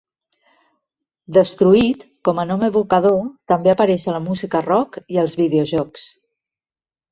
"Destruït" com a nom evocador també apareix a la música rock i als videojocs.